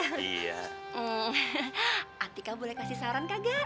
hmm atika boleh kasih saran kagak